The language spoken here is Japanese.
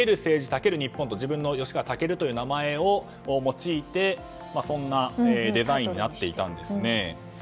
猛る日本！」と自分の、吉川赳という名前を用いて、そんなデザインになっていたんですね。